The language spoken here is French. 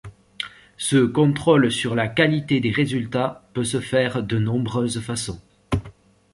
Ce contrôle sur la qualité des résultats peut se faire de nombreuses façons.